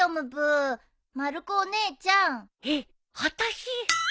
えっ！？あたし？